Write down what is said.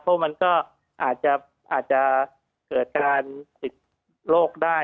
เพราะมันก็อาจจะเกิดการติดโรคได้